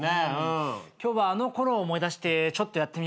今日はあの頃を思い出してちょっとやってみようかなと。